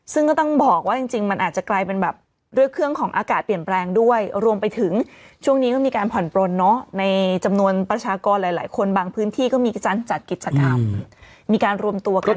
ซึ่งก็ต้องบอกว่าจริงมันอาจจะกลายเป็นแบบด้วยเครื่องของอากาศเปลี่ยนแปลงด้วยรวมไปถึงช่วงนี้ก็มีการผ่อนปลนเนอะในจำนวนประชากรหลายหลายคนบางพื้นที่ก็มีการจัดกิจกรรมมีการรวมตัวกัน